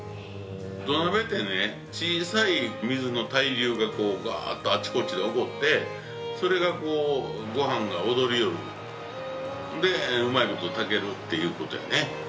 土鍋ってね、小さい水の対流がぐぁっとあちこちで起こってそれが、ごはんが踊りよる、うまいこと炊けるっていうことやね。